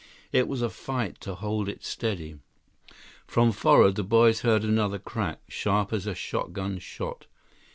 It was a fight to hold it steady. From forward, the boys heard another crack, sharp as a shotgun shot.